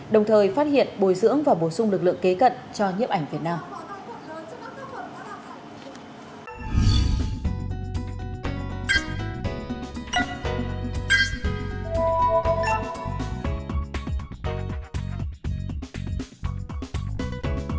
đồng thời phát hiện bồi dưỡng và bổ sung lực lượng kế cận cho nhiếp ảnh việt nam